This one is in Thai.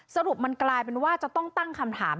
สรุปมันกลายเป็นว่าจะต้องตั้งคำถาม